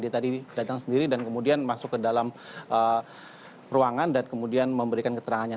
dia tadi datang sendiri dan kemudian masuk ke dalam ruangan dan kemudian memberikan keterangannya